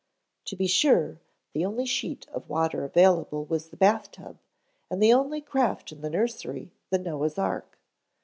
To be sure, the only sheet of water available was the bath tub and the only craft in the nursery the Noah's ark.